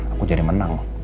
aku jadi menang